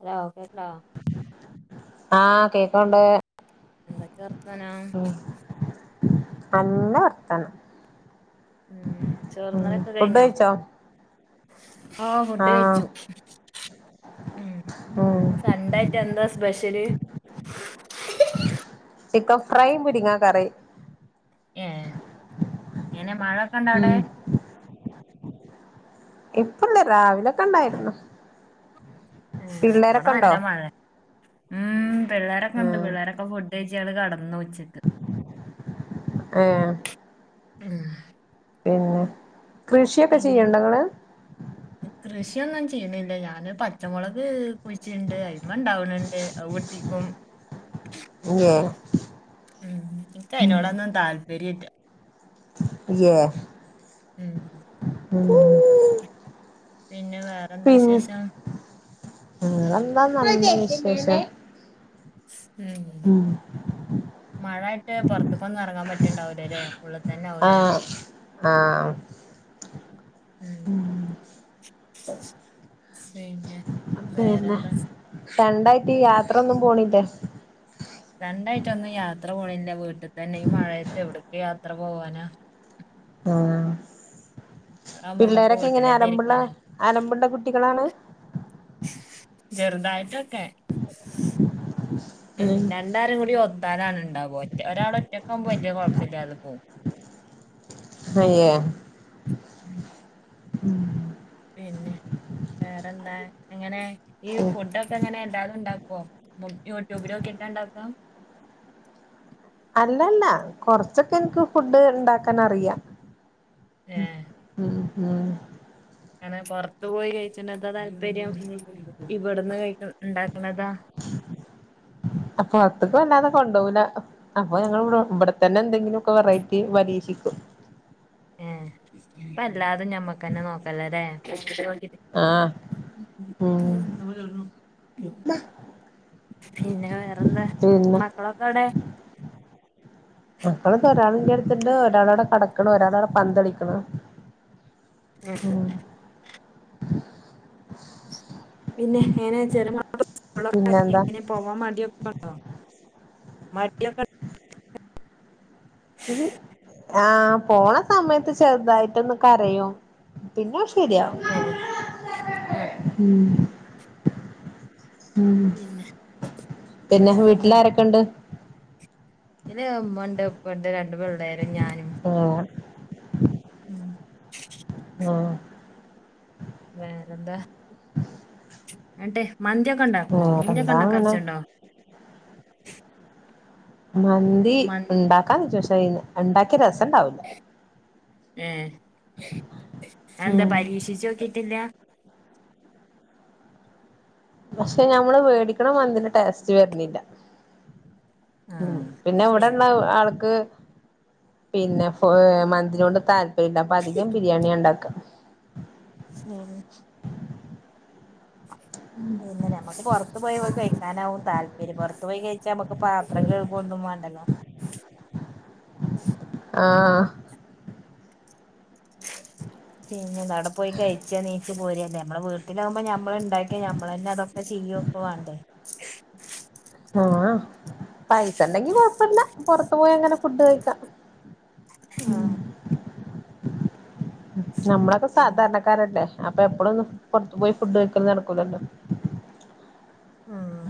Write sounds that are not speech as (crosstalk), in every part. Hello കേൾക്ക ആഹ് കേക്കോണ്ട് എന്തൊക്കെ വർത്തനാ നല്ല വർത്താനം ഉം ഉം ചോറ്ന്നലൊക്കെ ഫുഡ് കഴിച്ചോ ആ ഫുഡ് ആഹ് കഴിച്ചു ഉം ളം സണ്ടേയായിട്ട് എന്താ സ്പെഷ്യല് ചിക്കൻഫ്രൈ മുരിങ്ങ കറി ഏ എനെ മഴൊക്കെ ഉണ്ടോ അവിടെ ഉം ഇപ്പല്ലേ രാവിലൊക്കെ ഉണ്ടായിരുന്നു ഉം ഇവിടെ പിള്ളേരൊക്കെ ഉണ്ടോ നല്ല മഴ ഉം പിള്ളോരൊക്കെ ഉണ്ട് ഉം പിള്ളേരൊക്കെ ഫുഡ് കഴച്ച് ഞങ്ങള് കി- ഇന്ന് ഉച്ചയ്ക്ക് ഏ ആ പിന്നെ കൃഷിയൊക്കെ ചെയ്യുണ്ടോ നിങ്ങള് കൃഷിയെന്നും ചെയ്യണില്ല ഞാന് പച്ചമുളക് കുഴിച്ചിണ്ട് അയിമേണ്ടാവണുണ്ട് അത് പൊട്ടിക്കും യേ ഉം ഇനിക്ക് അതിനോടൊന്നും താല്പര്യമില്ല അയ്യേ ഉം പിന്നെ വേറെന്താ വിശേഷം (unintelligible) വിശേഷം (inaudible) ഉം മഴയിയിട്ട് പുറത്തക്കൊന്നും ഇറങ്ങാൻ പറ്റണ്ടാവലേ അല്ലെ ഉള്ളിൽ തന്നെ ആവൂലെ ആ ഉം പിന്നെ വേറെന്താ ഫ്രണ്ടായിട്ട് യാത്രൊന്നും പോണില്ലേ ഫ്രണ്ടായിട്ടൊന്നും യാത്ര പോണില്ല വീട്ടിൽ തന്നെ ഈ മഴയത്ത് എവിടക്ക് യാത്ര പോവാനാ ആ മഴയാവുമ്പോ നമ്മക്ക് പിള്ളേരൊക്കെ ഇങ്ങനെ വീട്ടിലന്നെ അലമ്പുള്ള ഇരിക്കാന് അലമ്പുള്ള കുട്ടി കുട്ടികളാണ് ചെറുതായിട്ടൊക്കെ ഉം രണ്ടാരും കൂടി ഒ- അതാണ് ഉണ്ടാവ ഒറ ഒരാൾ ഒറ്റക്ക ആവുമ്പോ വല്യയ കുഴപ്പില്ലാതെ പോവും (inaudible) ഉം അങ്ങനെ ഈ ഉം ഫുഡൊക്കെ അങ്ങനെ എല്ലാമുണ്ടാക്ക ഓ യൂട്യൂബിനോക്കീട്ടാ ഉണ്ടാക്കാ അല്ലല്ല കൊറച്ചൊക്കെ എനിക്ക് ഫുഡ് ഉണ്ടാക്കൻ അറിയാം ഉം ഉം ആണ് പുറത്ത് പോയി കഴിച്ചി- ന്നതാ താല്പര്യം ഇവിടുന്ന് കഴി ഉണ്ടാക്കുന്നതാ അതിപ്പം അല്ലാതെ കൊണ്ടേപോകൂല അപ്പൊ ഞങ്ങൾ ഇവിടെത്തന്നെ എന്തെങ്കിലും ഒക്കെ വെറൈറ്റി പരീക്ഷിക്കും അപ്പ എല്ലാതും ഞമ്മക്കന്നെ നോക്കല്ല അല്ലെ ആഹ് ഉം (unintelligible) പിന്നെ വേറെന്താ പിന്നെ മക്കളൊക്കെ എവിടെ മക്കളിക്കെ ഒരാൾ എറ്റെടുത്തുണ്ട് ഒരാളവിടെ കടക്കണ് ഒരാളവിടെ പന്ത് കളിക്കണ് (unintelligible) പിന്നെ എങ്ങനെ ചെറിയ മക്കക്കൊക്കെ സ്കളിൽ പിന്നെന്താ എങ്ങനാ പോകാൻ മടിയൊക്കെയുണ്ടാ ആ മടിയൊക്കെ ആഹ് പോണ സമയത്ത് ചെറുതായിട്ടെന്ന് കരയും പിന്നെ ശരിയാകും ഏഹ് ആഹ് ഉം പിന്നെ പിന്നെ വീട്ടിലാരൊക്കെ ഉണ്ട് വീട്ടില് ഉമ്മ ഉണ്ട് ഉപ്പ ഉണ്ട് രണ്ടു പിള്ളേരും ഞാനും ആഹ് ഉം ആ വേറെന്താ ആട്ടേ മന്തിയൊക്കെ ഉണ്ടാക്കോ മന്തിയൊക്കെ വേറെന്താ അങ്ങനെ ഉണ്ടാക്കാച്ചുണ്ടോ മന്തി ഉണ്ടാക്കാന്ന് വച്ച ഉണ്ടാക്കിയ രസം ഉണ്ടാവില്ല ഉ എന്താ ഉം പരീക്ഷിച്ച നോക്കിട്ടില്ല പക്ഷെ ഞമ്മള് വേടിക്കണ മന്തിന്റെ ടേസ്റ്റ് വരുന്നില്ല ഉം ആഹ് പിന്നെ അത് ഇവിടെണ ആൾക്ക് പിന്നെ മന്തിനൊണ്ട് താല്പര്യമില്ല അപ്പൊ അധികം ബിരിയാണി ഉണ്ടാക്കും ഉഹ പിന്നെ നമുക്ക് പുറത്തു പോയി പോയി കഴിക്കാനാവും താല്പര്യം പുൊറത്തു പോയി കഴിച്ചാൽക്ക് െ പത്ര കേൾ ഒന്നും വേണ്ടല്ലോ ആ പിന്നെ നട പോയി കഴിച്ചാ നീച്ചു പോര നമ്മെ വീട്ടിലാകുമ്പോ നമ്മള ഇണ്ടാക്കിയ നമ്മൾ തന്നെ അതൊക്കെ ചെയ്യുവൊക്കെ വണ്ടേ ആഹ പൈസ ഉണ്ടെങ്കി കൊഴപ്പില്ല പുൊറത്തു പോയി അങ്ങനെ ഫുഡ് കഴിക്കാം ആഹ നമ്മളൊക്കെ പിന്നെ സാധാരണക്കാരല്ലേ അപ്പൊ എപ്പോഴൊന്ന് പുൊറത്ത പോയി ഫുഡ് കഴക്കും നടക്കുന്നുല്ലോ ആഹ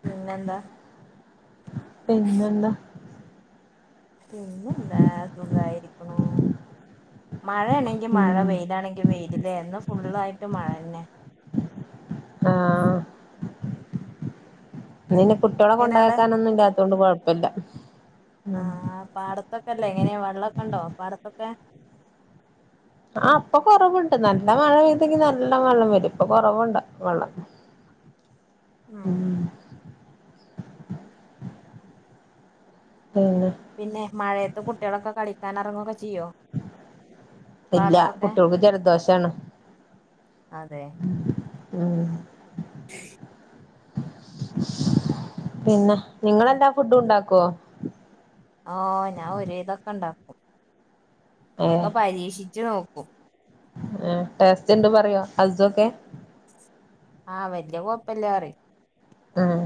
പിന്നെ എന്താ പിന്നെന്താ പിന്നെ എന്താ സുഖായിരിക്കണും മഴയാണെങ്കി മഴ ഉം വെയിലാണെങ്കി വെയിലല്ന്ന് ഫുുള്ളായിട്ട് മഴ തന്നെ ആ ഇന്നെ കുട്ടികളെ എങ്ങനെ അവിടെ കൊണ്ടായാക്കാനൊന്നും ഇല്ലാത്തൊണ്ട് കുഴപ്പമില്ല ആഹ പാടത്തൊക്കെ അല്ലേ എങ്ങനെയ വെള്ളമൊക്കെ ഉണ്ടോ പാടത്തൊക്കെ ആ അപ്പൊ കൊറവുണ്ട് നല്ല മഴ പെയ്തെങ്കി നല്ല വെള്ളം വരും ഇപ്പൊ കൊറവുണ്ട് വെള്ളം (unintelligible) ഉം പിന്നെ പിന്നെ മഴയത്ത് കുട്ടികളൊക്കെ കളിക്കാൻ ഇറങ്ങൊക്കെ ചെയ്യോ ഇല്ല പാടത്തൊക്കെ കുട്ടികൾക്ക് ജലദോഷാണ് അതെ ഉം (inaudible) പിന്നെ നിങ്ങെല്ലാ ഫുഡും ഉണ്ടാക്കുവോ ആഹ ഞാൻ ഒ ഇതൊക്കെ ഉണ്ടാക്കും ഒക്കെ പരീക്ഷിച്ചു നോക്കും (unintelligible) ആ ടെസ്റ്റ് എണ്ട് പറയോ ഹസ് ക്കെ ആഹ് വല്യ കൊഴപ്പല്ലറി ഉം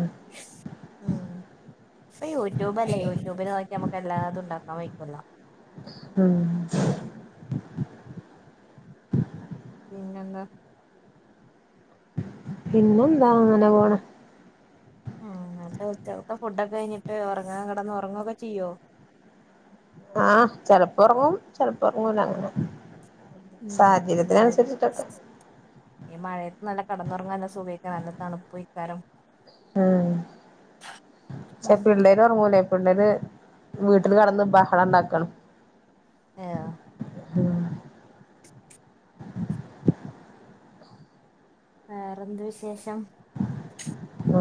ഉ യൂട്യൂബ അല്ലേ യൂട്യൂബിൽ നോക്കക്ക് എല്ലാതും ഉണ്ടാക്കാൻ വയിക്കുല്ലോ ഉം പിന്നെ എന്താ പിന്നെ എന്താ അങ്ങനെ പോണ ഉം എന്ന ഉച്ചകത്തെ ഫുഡൊക്കെ കഴിഞ്ഞിട്ട് ഉറങ്ങാ കിടന്ന് ഉറങ്ങുവൊക്കെ ചെയ്യോ ആഹ ചെിലപ്പോ ഉറങ്ങും ചെിലപ്പോ ഉറങ്ങല അങ്ങനെ ഉം ഈ മഴ സാഹചര്യത്തിനനുസരിച്ചിട്ടൊക്കെ ഈ മഴയത്ത് നല്ല കടന്നുറങ്ങാനൻല്ല സുഖക്കാ നല്ല തണുപ്പ് വഴിക്കാരും ഉം ഉം ചെപ്പ പിള്ളേര് ഉറങ്ങൂല ണ്ടേന് വീട്ടില് കടന്ന് ബഹളം ഉണ്ടാക്കണം ആഹ അ വേറെന്ത് വിശേഷം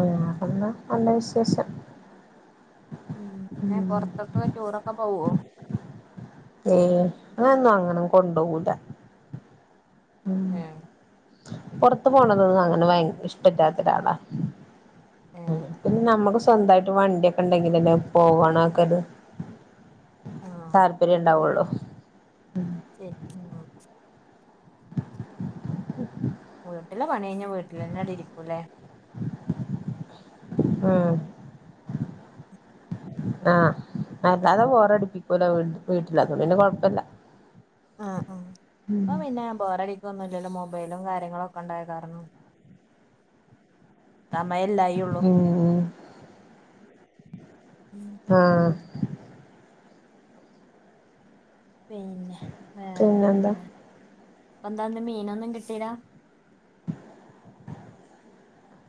ആ ഒന്ന നല്ല വിശേഷം ഉം പിന്നെ പൊറത്തൊക്കെ ടൂറൊക്കെ പോവോ ഏയ് അങ്ങനൊന്നും അങ്ങനെ കൊണ്ടോവൂല ഉം ഏഹ് പൊറത്തു പോണതൊന്നും അങ്ങനെ ഇഷ്ടല്ലാത്തൊരാളാ ഏഹ് പിന്നെ നമ്മുക്ക് സ്വന്തായിട്ട് വണ്ടിയൊക്കെണ്ടെങ്കിലല്ലെ പോവണൊക്കത് ആഹ് താല്പര്യം ശരി ഇണ്ടാവുള്ളു ശരി ഉം വീട്ടില് പണി കഴിഞ്ഞാ വീട്ടിൽ തന്നെടിരിക്കൂല്ലേ ആ (inaudible) ആ അല്ലാതെ ബോറടിപ്പിക്കൂല വീട്ടിലൊന്നും പിന്നെ കൊഴപ്പില്ല ആ ആ ഓ പിന്നെ ബോറടിക്കോന്നു പിന്നെ മൊബൈലും കാര്യങ്ങളും ഒക്കെ ഉണ്ടായ കാരണം സമയില്ലായിയുള്ളൂ ഉം ആ പിന്നെ പിന്നെന്താ ഇപ്പൊ എന്താന്ന് മീനൊന്നും കിട്ടീലാ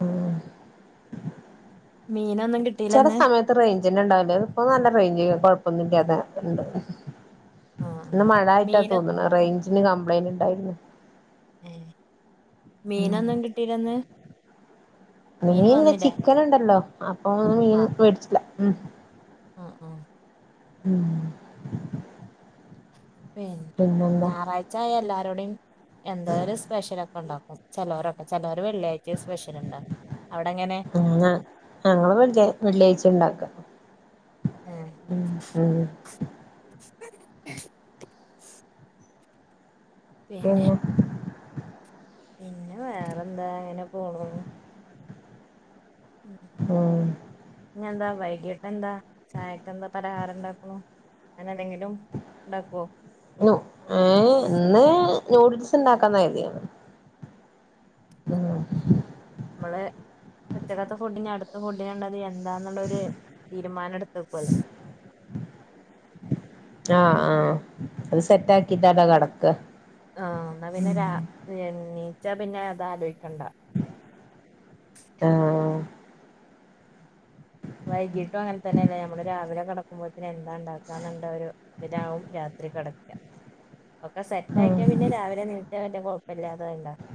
ഉം മി ചെല സമയത്ത് റേഞ്ചന്നെ ഉണ്ടാവില്ല ഇപ്പൊ നല്ല റേഞ്ച് കൊഴപ്പൊന്നുല്ലാതെ ഉണ്ട് ആ ഇന്ന് മഴ ആയിട്ടാ മീന് തോന്നണെ റേഞ്ചിന് കംപ്ലൈന്റ് ഇണ്ടായിരുന്നു ഏഹ് ഉം മീനൊന്നും കിട്ടീലന്ന് മീന് മീനിന് വന്നില്ലേ ചിക്കൻ ഉണ്ടല്ലോ അപ്പൊ ഒന്ന് മീൻ മേടിച്ചിട്ടില്ല ഉം ആഹ് ആഹ് ഉം പിന്നെ പിന്നെന്താ ഞായറാഴ്ച എല്ലാരോടെയും എന്തായാലും സ്പെഷ്യലൊക്കെ ഉണ്ടാവും ചെലോരോക്കെ ചെലോ അവിടെങ്ങനെ ഞങ്ങ ഞങ്ങള് വെള്ളിയാ വെള്ളിയാഴ്ച ഉണ്ടാക്ക ഉം ഉം പിന്നെ പിന്നെ വേറെ എന്താ ഇങ്ങനെ പോണു ഉം. ഉം ഇനി എന്താ വൈകീട്ട് എന്താ ചായക്ക് എന്താ പലഹാരം ഉണ്ടാക്കണു അങ്ങനെന്തെങ്കിലും ഉണ്ടാക്കുവോ നു ഏഹ് ഇന്ന് നൂഡിൽസ് ഉണ്ടാക്കാന്ന് കരുതിയാണ് ഉം നമ്മള് ഉച്ചക്കത്തെ ഫുഡ് ഇനി അടുത്ത ഫുഡിന് ഉണ്ടത് എന്താന്നുള്ളൊരു തീരുമാനം എടുത്തുക്കോല്ലോ ആഹ് ആഹ് അത് സെറ്റ് ആക്കീട്ടാല്ലെ കെടക്ക ആഹ് എന്നാ പിന്നെ രാ എണീച്ച പിന്നെ അതാ ആലോയി ക്കണ്ട ആഹ് വൈകീട്ടും അങ്ങനെ തന്നെല്ലെ ഞമ്മള് രാവിലെ കെടക്കുമ്പോഴ്ത്തന്നെ എണി ഉണ്ടാക്കാന്നുണ്ട ഒരു ഇതിനാവും രാത്രി കെട ഒക്കെ സെറ്റ് ഉം ആക്കിയാ പിന്നെ രാവിലെ ണീറ്റാ വല്യ കൊഴപ്പല്ല്യാ ത അഹ് ഇണ്ടാക്കാ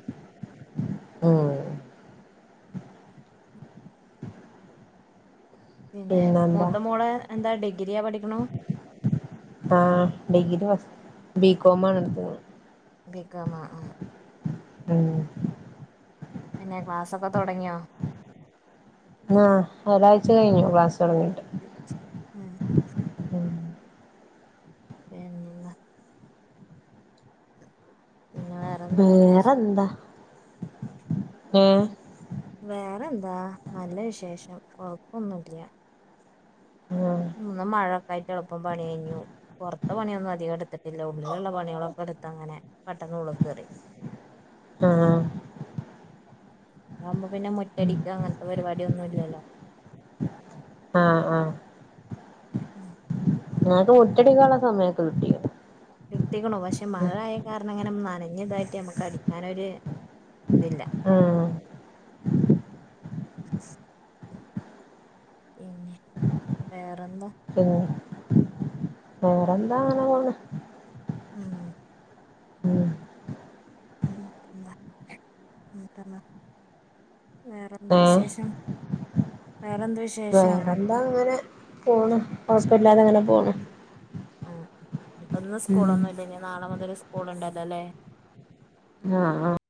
ഉം പിന്നെ പിന്നെന്താ മൂത്ത മോള് എന്താ ഡി ആഹ് ഡിഗ്രി ഫസ്റ്റ് ബി കോം ആണ് ഇട്ത്ത്ക്ക്ണ്. ബി. കോ മോ ഉം ഉം പിന്നെ ക്ലാസ്സൊക്കെ തൊടങ്ങിയോ? ആ ഒരാഴ്ച കഴിഞ്ഞു ക്ലാസ്സ് തുടങ്ങീട്ട് ഉം പിന്നെ പിന്നെ വേറെന്താ വിശേഷം ആ വേറെ എന്താ നല്ല വിശേഷം കൊഴപ്പൊന്നു ഇല്ല ആഹ് ഇന്നും മഴൊക്കായിട്ട് എളുപ്പം പണി കഴിഞ്ഞു പൊറത്ത പണിയൊന്നും അധികം എടുത്തി ട്ടില്ല ഉള്ളിലുള്ള പണികളൊക്കെ എടുത്ത് അങ്ങനെ പെട്ടെന്ന്ഉളുക്കേറി ആഹ് അമ്പോ പിന്നെ മുറ്റടിക്ക അങ്ങനത്തെ പരിപാടിയൊന്നും ഇല്ലല്ലോ ആഹ് ആഹ് ഉം (unintelligible) മുറ്റടിക്കാനുള്ള സമയൊക്കെ കിട്ടി കിട്ടിക്ക്ണു പക്ഷെ മഴയായ കാരണം ഇങ്ങനെ നനഞ്ഞ് ഇതായിട്ട് നമുക്ക് അടിക്കാനൊര് ആഹ് (inaudible) പിന്നെ വേറെന്താ പിന്നെ വേറെന്താ അങ്ങന പോന്ന് ഉം ഉം ഉം തന്ന വേറെന്ത് ഏഹ് വിശേഷം വേറെന്ത് വിശേഷം വേറെന്താ അങ്ങനെ പോണ് ഹോസ്പിറ്റലാതെ അങ്ങനെ പോണ് ഉം അപ്പം ഇന്ന് ഉം സ്കൂളൊന്നും ഇല്ലെനി നാളെ മുതൽ സ്കൂളുണ്ടല്ലോ അല്ലേ ആഹ് ആഹ്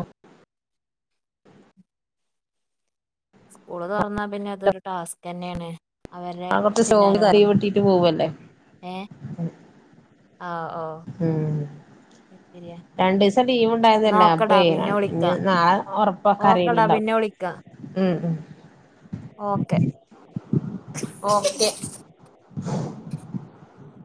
സ്കൂള് തുറന്നാ പിന്നെ അതൊരു ടാസ്ക് തന്നെയാണ് അവരുടെ ആ കുറച്ച് പിന്നാലെ (unintelligible) നടന്ന് കൂട്ടീട്ട് പോവല്ലേ ഏ ഉം ശെരിയ രണ്ടു ദിവസം ലീവ് ഉണ്ടായതല്ലേ അപ്പേ ര ഇനി വിളിക്കാ നാളെ ഓക്കടാ ഒറപ്പൊക്കറിയില്ലുണ്ടോ പിന്നെ വിളിക്കാ ഉം ഉം ഓക്കെ ഓക്കെ (inaudible)